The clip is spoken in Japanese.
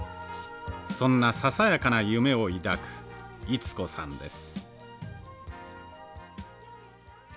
そんなささやかな夢を抱く溢子さんです。